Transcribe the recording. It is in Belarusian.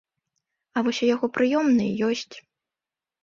А вось у яго прыёмнай ёсць.